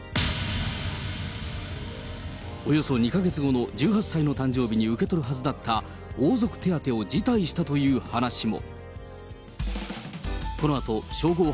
およそ２か月後の１８歳の誕生日に受け取るはずだった王族手当を辞退したという話も。